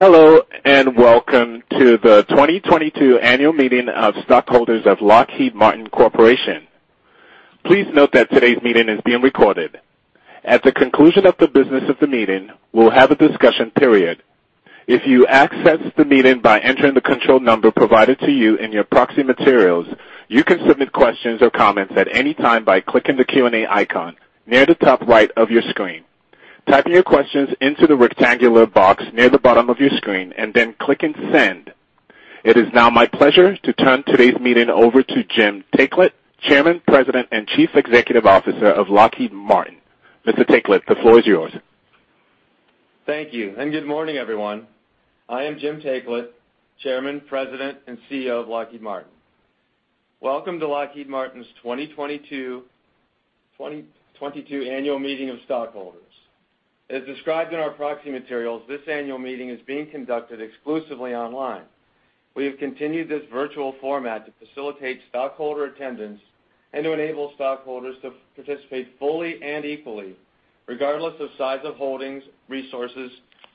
Hello, and welcome to the 2022 Annual Meeting of Stockholders of Lockheed Martin Corporation. Please note that today's meeting is being recorded. At the conclusion of the business of the meeting, we'll have a discussion period. If you accessed the meeting by entering the control number provided to you in your proxy materials, you can submit questions or comments at any time by clicking the Q&A icon near the top right of your screen. Type in your questions into the rectangular box near the bottom of your screen, and then click and send. It is now my pleasure to turn today's meeting over to Jim Taiclet, Chairman, President, and Chief Executive Officer of Lockheed Martin. Mr. Taiclet, the floor is yours. Thank you, and good morning, everyone. I am Jim Taiclet, Chairman, President, and CEO of Lockheed Martin. Welcome to Lockheed Martin's 2022 Annual Meeting of Stockholders. As described in our proxy materials, this annual meeting is being conducted exclusively online. We have continued this virtual format to facilitate stockholder attendance and to enable stockholders to participate fully and equally, regardless of size of holdings, resources,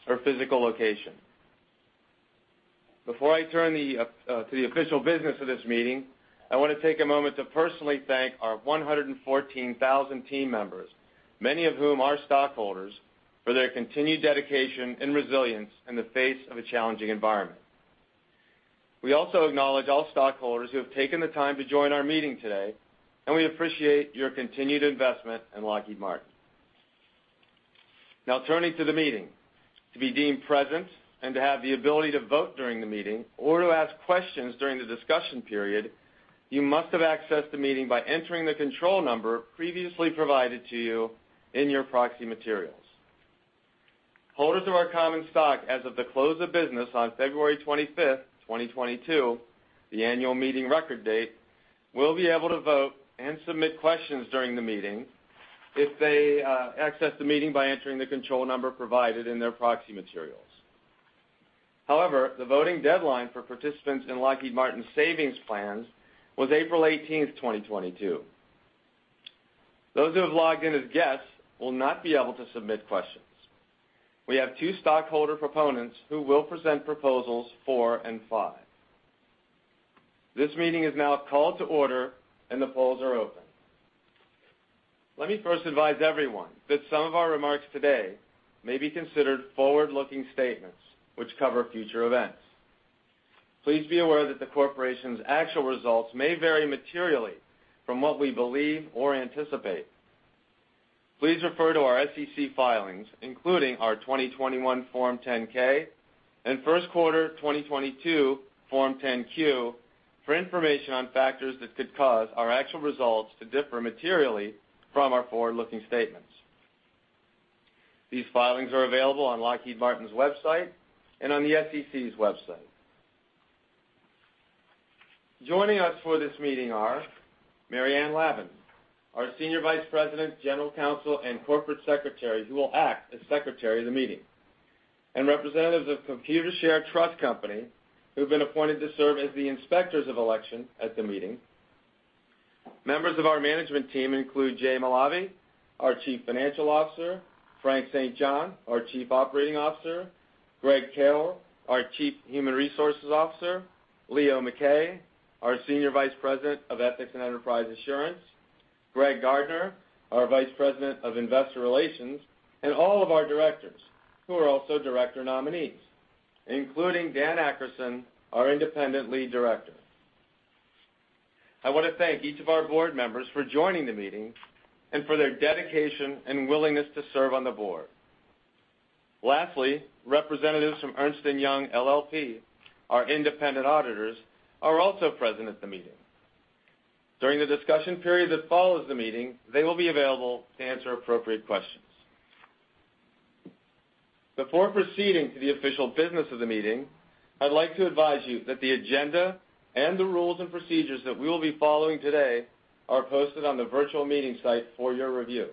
or physical location. Before I turn to the official business of this meeting, I wanna take a moment to personally thank our 114,000 team members, many of whom are stockholders, for their continued dedication and resilience in the face of a challenging environment. We also acknowledge all stockholders who have taken the time to join our meeting today, and we appreciate your continued investment in Lockheed Martin. Now turning to the meeting. To be deemed present and to have the ability to vote during the meeting or to ask questions during the discussion period, you must have accessed the meeting by entering the control number previously provided to you in your proxy materials. Holders of our common stock as of the close of business on February 25, 2022, the annual meeting record date, will be able to vote and submit questions during the meeting if they access the meeting by entering the control number provided in their proxy materials. However, the voting deadline for participants in Lockheed Martin savings plans was April 18, 2022. Those who have logged in as guests will not be able to submit questions. We have two stockholder proponents who will present Proposals four and five. This meeting is now called to order, and the polls are open. Let me first advise everyone that some of our remarks today may be considered forward-looking statements which cover future events. Please be aware that the corporation's actual results may vary materially from what we believe or anticipate. Please refer to our SEC filings, including our 2021 Form 10-K and first quarter 2022 Form 10-Q, for information on factors that could cause our actual results to differ materially from our forward-looking statements. These filings are available on Lockheed Martin's website and on the SEC's website. Joining us for this meeting are Maryanne Lavan, our Senior Vice President, General Counsel, and Corporate Secretary, who will act as Secretary of the meeting. Representatives of Computershare Trust Company, who've been appointed to serve as the inspectors of election at the meeting. Members of our management team include Jay Malave, our Chief Financial Officer, Frank St. John. John, our Chief Operating Officer, Greg Karol, our Chief Human Resources Officer, Leo Mackay, our Senior Vice President of Ethics and Enterprise Assurance, Greg Gardner, our Vice President of Investor Relations, and all of our directors, who are also director nominees, including Dan Akerson, our independent lead director. I want to thank each of our board members for joining the meeting and for their dedication and willingness to serve on the board. Lastly, representatives from Ernst & Young LLP, our independent auditors, are also present at the meeting. During the discussion period that follows the meeting, they will be available to answer appropriate questions. Before proceeding to the official business of the meeting, I'd like to advise you that the agenda and the rules and procedures that we will be following today are posted on the virtual meeting site for your review.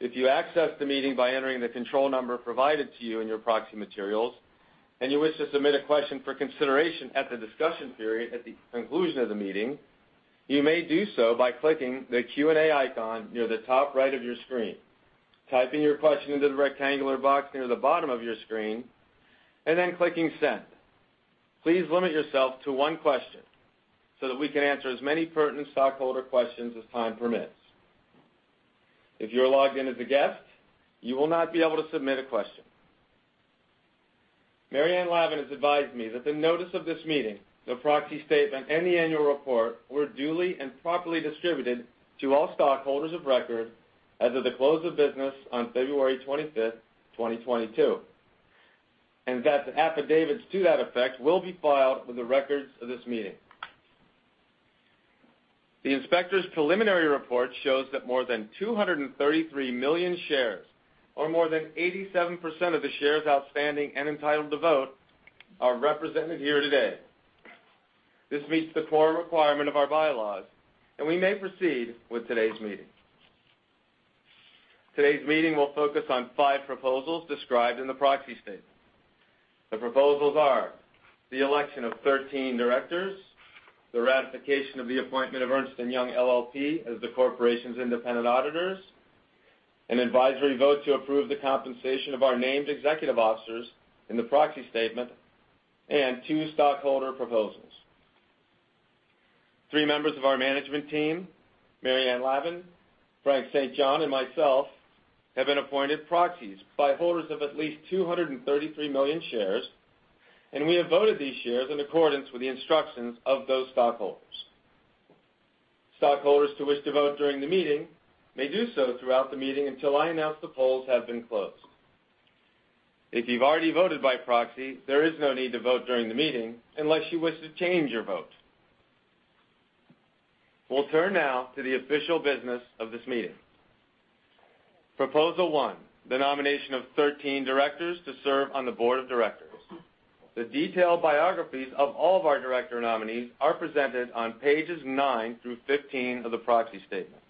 If you accessed the meeting by entering the control number provided to you in your proxy materials, and you wish to submit a question for consideration at the discussion period at the conclusion of the meeting, you may do so by clicking the Q&A icon near the top right of your screen, typing your question into the rectangular box near the bottom of your screen, and then clicking Send. Please limit yourself to one question so that we can answer as many pertinent stockholder questions as time permits. If you're logged in as a guest, you will not be able to submit a question. Maryanne Lavan has advised me that the notice of this meeting, the proxy statement, and the annual report were duly and properly distributed to all stockholders of record as of the close of business on February 25, 2022, and that the affidavits to that effect will be filed with the records of this meeting. The inspector's preliminary report shows that more than 233 million shares, or more than 87% of the shares outstanding and entitled to vote, are represented here today. This meets the quorum requirement of our bylaws, and we may proceed with today's meeting. Today's meeting will focus on five proposals described in the proxy statement. The proposals are the election of 13 directors, the ratification of the appointment of Ernst & Young LLP as the corporation's independent auditors. An advisory vote to approve the compensation of our named executive officers in the proxy statement and two stockholder proposals. Three members of our management team, Maryanne Lavan, Frank St. John, and myself, have been appointed proxies by holders of at least 233 million shares, and we have voted these shares in accordance with the instructions of those stockholders. Stockholders who wish to vote during the meeting may do so throughout the meeting until I announce the polls have been closed. If you've already voted by proxy, there is no need to vote during the meeting unless you wish to change your vote. We'll turn now to the official business of this meeting. Proposal one, the nomination of 13 directors to serve on the board of directors. The detailed biographies of all of our director nominees are presented on Pages nine through 15 of the proxy statement.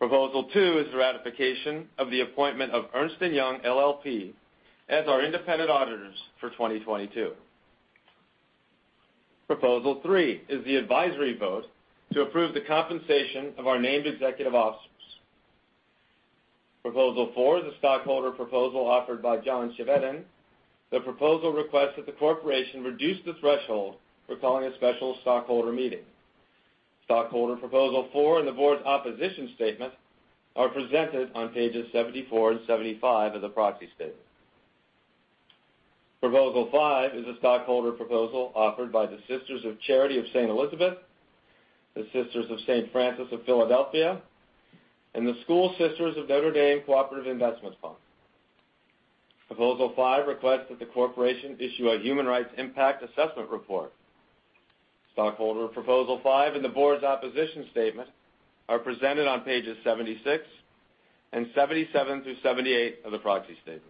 Proposal two is the ratification of the appointment of Ernst & Young LLP as our independent auditors for 2022. Proposal three is the advisory vote to approve the compensation of our named executive officers. Proposal four is a stockholder proposal offered by John Chevedden. The proposal requests that the corporation reduce the threshold for calling a special stockholder meeting. Stockholder Proposal four and the board's opposition statement are presented on Pages 74 and 75 of the proxy statement. Proposal five is a stockholder proposal offered by the Sisters of Charity of Elizabeth, NJ, the Sisters of St. Francis of Philadelphia, and the School Sisters of Notre Dame Cooperative Investment Fund. Proposal five requests that the corporation issue a human rights impact assessment report. Stockholder Proposal five and the board's opposition statement are presented on Pages 76 and 77 through 78 of the proxy statement.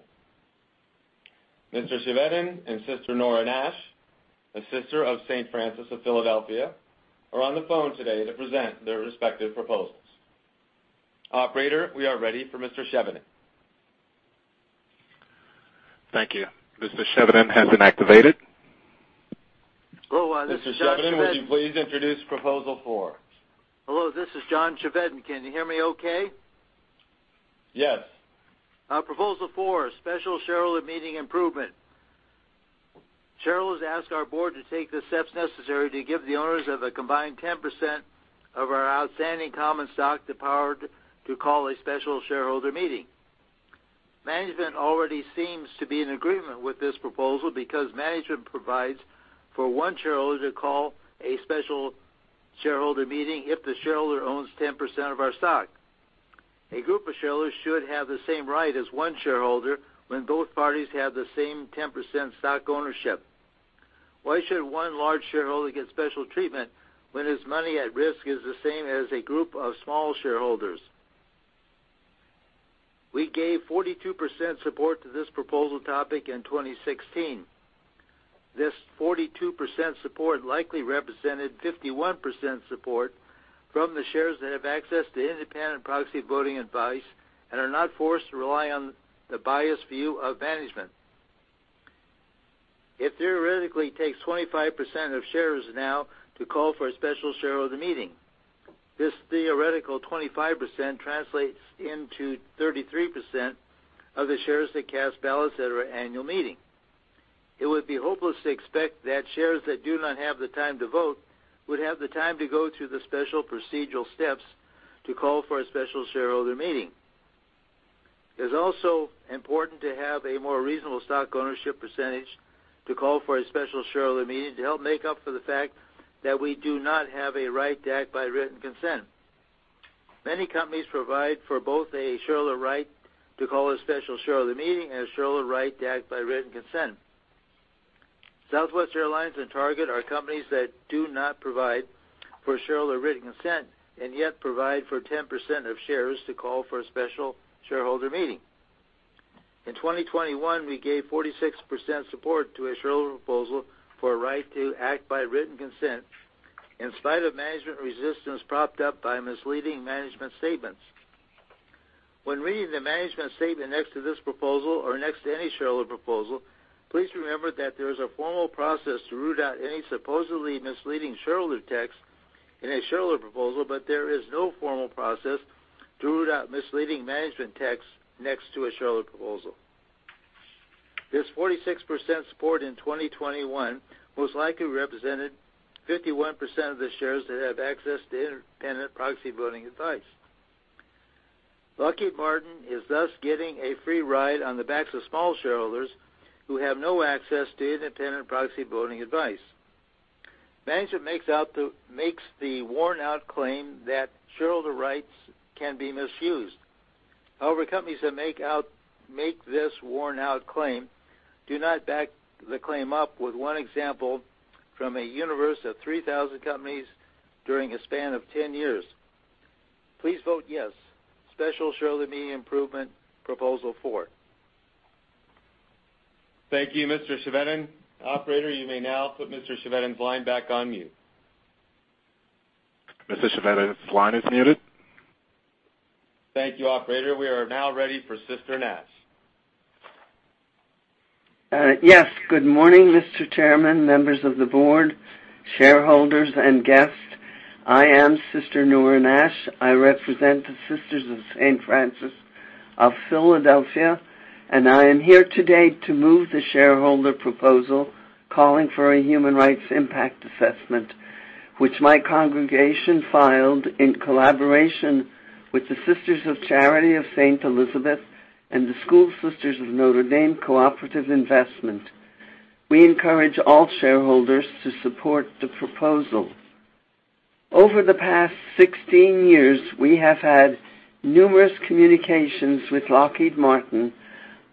Mr. Chevedden and Sister Nora Nash, a Sister of St. Francis of Philadelphia, are on the phone today to present their respective proposals. Operator, we are ready for Mr. Chevedden. Thank you. Mr. Chevedden has been activated. Hello, this is John Chevedden. Mr. Chevedden, would you please introduce Proposal Four? Hello, this is John Chevedden. Can you hear me okay? Yes. Our Proposal Four, special shareholder meeting improvement. Shareholders ask our board to take the steps necessary to give the owners of a combined 10% of our outstanding common stock the power to call a special shareholder meeting. Management already seems to be in agreement with this proposal because management provides for one shareholder to call a special shareholder meeting if the shareholder owns 10% of our stock. A group of shareholders should have the same right as one shareholder when both parties have the same 10% stock ownership. Why should one large shareholder get special treatment when his money at risk is the same as a group of small shareholders? We gave 42% support to this proposal topic in 2016. This 42% support likely represented 51% support from the shares that have access to independent proxy voting advice and are not forced to rely on the biased view of management. It theoretically takes 25% of shares now to call for a special shareholder meeting. This theoretical 25% translates into 33% of the shares that cast ballots at our annual meeting. It would be hopeless to expect that shares that do not have the time to vote would have the time to go through the special procedural steps to call for a special shareholder meeting. It is also important to have a more reasonable stock ownership percentage to call for a special shareholder meeting to help make up for the fact that we do not have a right to act by written consent. Many companies provide for both a shareholder right to call a special shareholder meeting and a shareholder right to act by written consent. Southwest Airlines and Target are companies that do not provide for shareholder written consent and yet provide for 10% of shares to call for a special shareholder meeting. In 2021, we gave 46% support to a shareholder proposal for a right to act by written consent in spite of management resistance propped up by misleading management statements. When reading the management statement next to this proposal or next to any shareholder proposal, please remember that there is a formal process to root out any supposedly misleading shareholder text in a shareholder proposal, but there is no formal process to root out misleading management text next to a shareholder proposal. This 46% support in 2021 most likely represented 51% of the shares that have access to independent proxy voting advice. Lockheed Martin is thus getting a free ride on the backs of small shareholders who have no access to independent proxy voting advice. Management makes the worn-out claim that shareholder rights can be misused. However, companies that make this worn-out claim do not back the claim up with one example from a universe of 3,000 companies during a span of 10 years. Please vote yes. Special shareholder meeting improvement, Proposal Four. Thank you, Mr. Chevedden. Operator, you may now put Mr. Chevedden's line back on mute. Mr. Chevedden's line is muted. Thank you, operator. We are now ready for Sister Nash. Yes. Good morning, Mr. Chairman, members of the board, shareholders, and guests. I am Sister Nora Nash. I represent the Sisters of St. Francis of Philadelphia, and I am here today to move the shareholder proposal calling for a human rights impact assessment, which my congregation filed in collaboration with the Sisters of Charity of Elizabeth, NJ and the School Sisters of Notre Dame Cooperative Investment. We encourage all shareholders to support the proposal. Over the past 16 years, we have had numerous communications with Lockheed Martin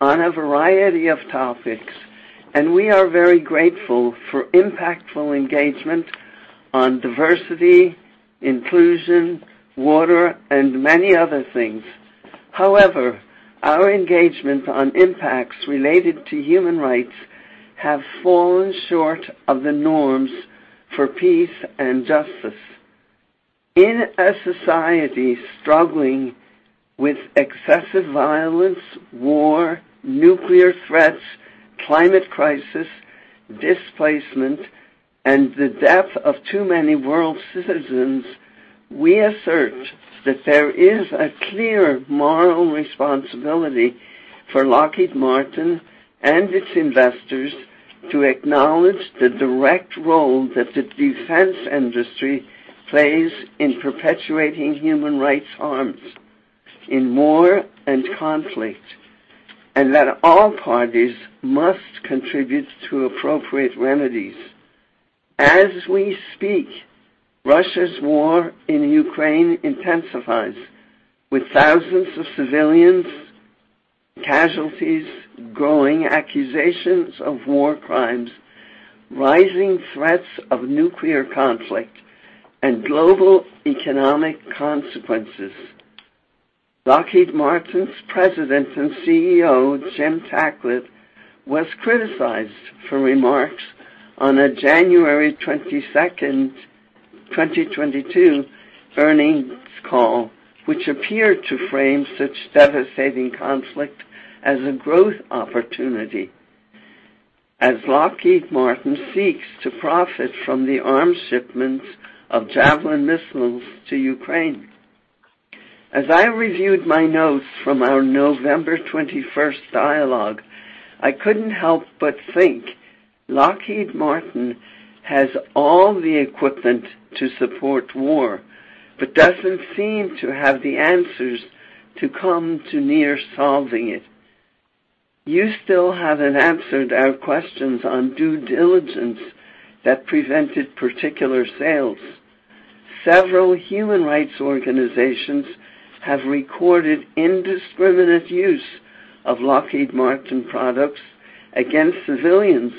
on a variety of topics, and we are very grateful for impactful engagement on diversity, inclusion, water, and many other things. However, our engagement on impacts related to human rights have fallen short of the norms for peace and justice. In a society struggling with excessive violence, war, nuclear threats, climate crisis, displacement, and the death of too many world citizens, we assert that there is a clear moral responsibility for Lockheed Martin and its investors to acknowledge the direct role that the defense industry plays in perpetuating human rights harms in war and conflict, and that all parties must contribute to appropriate remedies. As we speak, Russia's war in Ukraine intensifies, with thousands of civilian casualties, growing accusations of war crimes, rising threats of nuclear conflict, and global economic consequences. Lockheed Martin's President and CEO, Jim Taiclet, was criticized for remarks on a January 22, 2022 earnings call, which appeared to frame such devastating conflict as a growth opportunity as Lockheed Martin seeks to profit from the arms shipments of Javelin missiles to Ukraine. As I reviewed my notes from our November twenty-first dialogue, I couldn't help but think Lockheed Martin has all the equipment to support war but doesn't seem to have the answers to come to near solving it. You still haven't answered our questions on due diligence that prevented particular sales. Several human rights organizations have recorded indiscriminate use of Lockheed Martin products against civilians,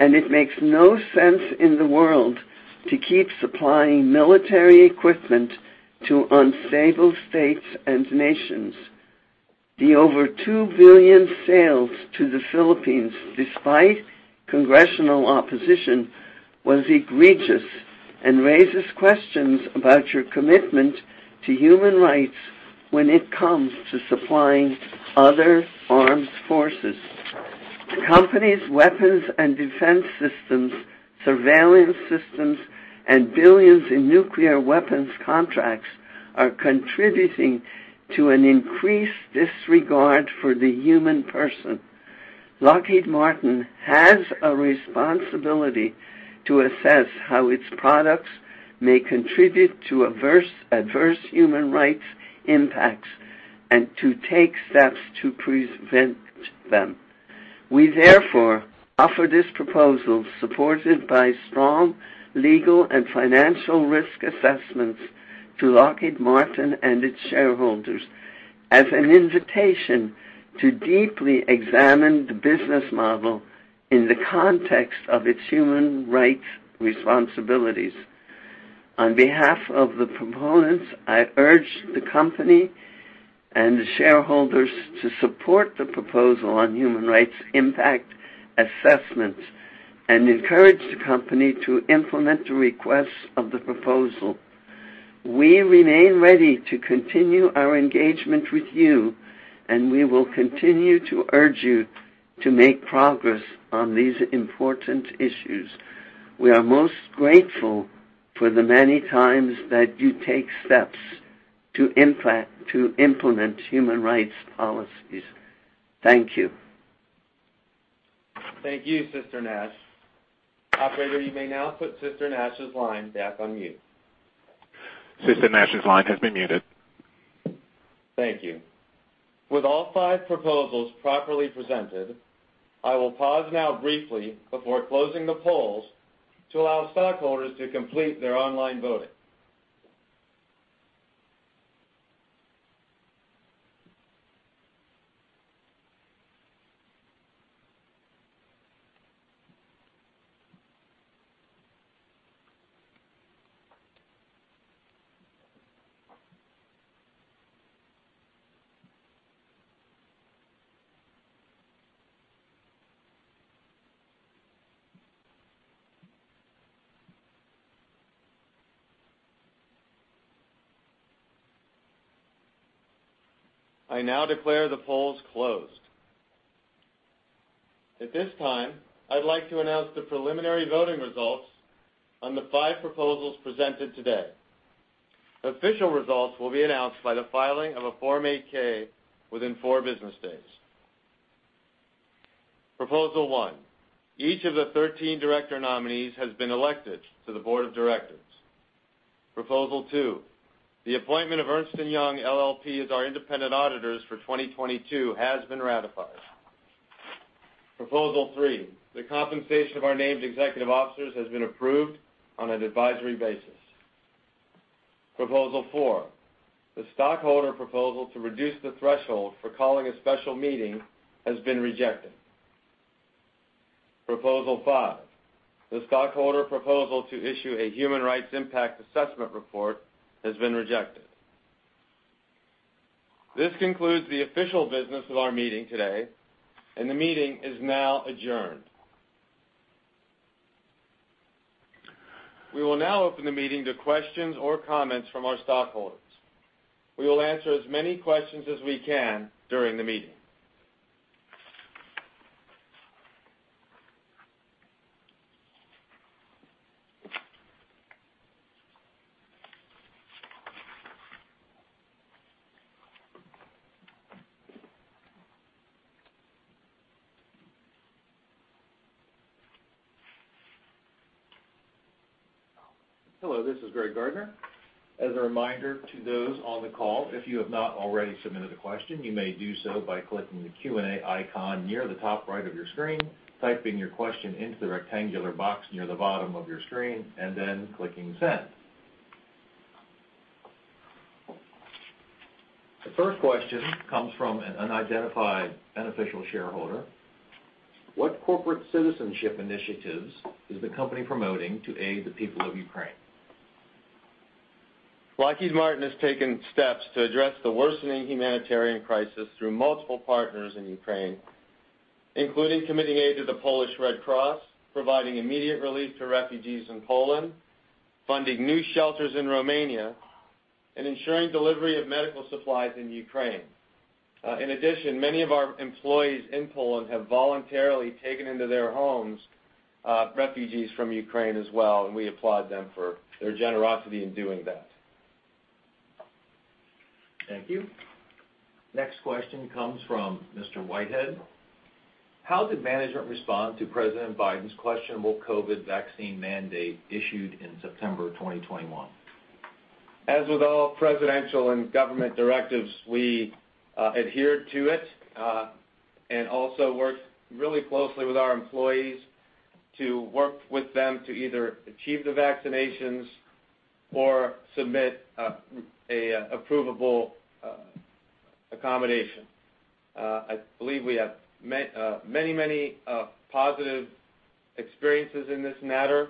and it makes no sense in the world to keep supplying military equipment to unstable states and nations. The over $2 billion sales to the Philippines, despite congressional opposition, was egregious and raises questions about your commitment to human rights when it comes to supplying other armed forces. The company's weapons and defense systems, surveillance systems, and $ billions in nuclear weapons contracts are contributing to an increased disregard for the human person. Lockheed Martin has a responsibility to assess how its products may contribute to adverse human rights impacts and to take steps to prevent them. We therefore offer this proposal, supported by strong legal and financial risk assessments to Lockheed Martin and its shareholders as an invitation to deeply examine the business model in the context of its human rights responsibilities. On behalf of the proponents, I urge the company and the shareholders to support the proposal on human rights impact assessments and encourage the company to implement the requests of the proposal. We remain ready to continue our engagement with you, and we will continue to urge you to make progress on these important issues. We are most grateful for the many times that you take steps to implement human rights policies. Thank you. Thank you, Sister Nash. Operator, you may now put Sister Nash's line back on mute. Sister Nash's line has been muted. Thank you. With all five Proposals properly presented, I will pause now briefly before closing the polls to allow stockholders to complete their online voting. I now declare the polls closed. At this time, I'd like to announce the preliminary voting results on the five Proposals presented today. The official results will be announced by the filing of a Form 8-K within four business days. Proposal one, each of the 13 director nominees has been elected to the board of directors. Proposal two, the appointment of Ernst & Young LLP as our independent auditors for 2022 has been ratified. Proposal three, the compensation of our named executive officers has been approved on an advisory basis. Proposal four, the stockholder proposal to reduce the threshold for calling a special meeting has been rejected. Proposal five, the stockholder proposal to issue a human rights impact assessment report has been rejected. This concludes the official business of our meeting today, and the meeting is now adjourned. We will now open the meeting to questions or comments from our stockholders. We will answer as many questions as we can during the meeting. Hello, this is Greg Gardner. As a reminder to those on the call, if you have not already submitted a question, you may do so by clicking the Q&A icon near the top right of your screen, typing your question into the rectangular box near the bottom of your screen, and then clicking Send. The first question comes from an unidentified beneficial shareholder. What corporate citizenship initiatives is the company promoting to aid the people of Ukraine? Lockheed Martin has taken steps to address the worsening humanitarian crisis through multiple partners in Ukraine, including committing aid to the Polish Red Cross, providing immediate relief to refugees in Poland, funding new shelters in Romania, and ensuring delivery of medical supplies in Ukraine. In addition, many of our employees in Poland have voluntarily taken into their homes, refugees from Ukraine as well, and we applaud them for their generosity in doing that. Thank you. Next question comes from Mr. Whitehead. How did management respond to President Biden's questionable COVID vaccine mandate issued in September 2021? As with all presidential and government directives, we adhered to it and also worked really closely with our employees to work with them to either achieve the vaccinations or submit an approvable accommodation. I believe we have many positive experiences in this matter,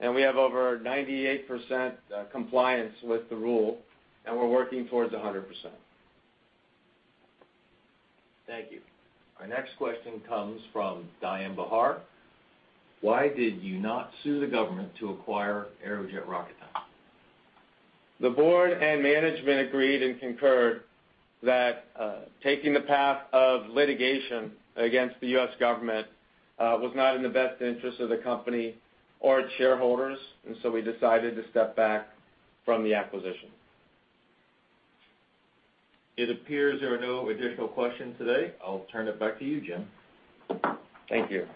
and we have over 98% compliance with the rule, and we're working towards 100%. Thank you. Our next question comes from Diane Bahar. Why did you not sue the government to acquire Aerojet Rocketdyne? The board and management agreed and concurred that, taking the path of litigation against the U.S. government, was not in the best interest of the company or its shareholders, and so we decided to step back from the acquisition. It appears there are no additional questions today. I'll turn it back to you, Jim. Thank you.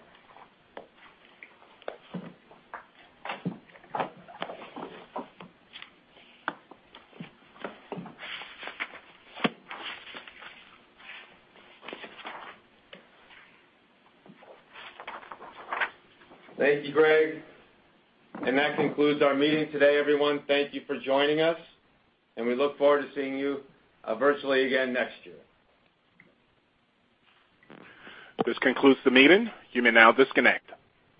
Thank you, Greg. That concludes our meeting today, everyone. Thank you for joining us, and we look forward to seeing you, virtually again next year. This concludes the meeting. You may now disconnect.